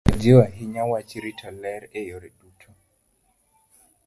Riwruogno jiwo ahinya wach rito ler e yore duto.